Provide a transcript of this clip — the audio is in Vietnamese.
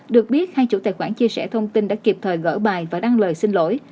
được biết hai chủ tài khoản chia sẻ thông tin đã kịp thời gỡ bài và đăng lời xin lỗi